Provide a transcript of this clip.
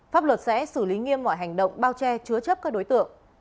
pháp luật sẽ xử lý nghiêm mọi hành động bao che chứa chấp các đối tượng